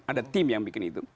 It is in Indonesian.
ada tim yang bikin itu